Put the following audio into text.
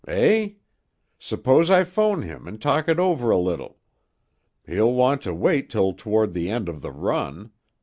Eh? Suppose I phone him and talk it over a little. He'll want to wait till toward the end of the run.